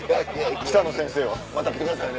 北野先生は。また来てくださいね。